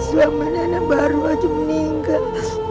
suami nenek baru aja meninggal